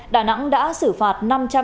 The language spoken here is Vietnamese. đà nẵng đã xử phạt năm trăm hai mươi bảy